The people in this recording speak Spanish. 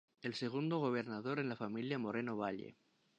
El segundo gobernador en la familia Moreno Valle.